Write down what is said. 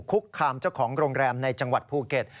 คุกคามเจ้าของโรงแรมในจังหวัดภูเก็ต